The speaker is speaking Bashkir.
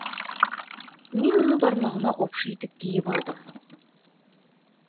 Мин уны бармағыма ҡупшы итеп кейеп алдым.